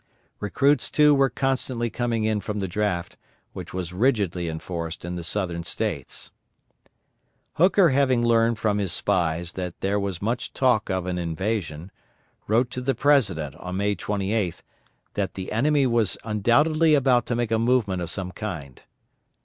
Recruits, too, were constantly coming in from the draft, which was rigidly enforced in the Southern States. Hooker having learned from his spies that there was much talk of an invasion, wrote to the President on May 28th, that the enemy was undoubtedly about to make a movement of some kind.